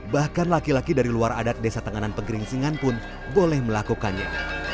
bahkan laki laki dari luar adat desa tenganan pegering singan pun boleh melakukannya